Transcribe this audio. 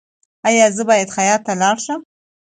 ایا زه باید خیاط ته لاړ شم؟